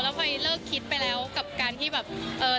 พลอยเลิกคิดไปแล้วกับการที่แบบเออ